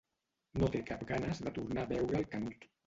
No té cap ganes de tornar a veure el Canut.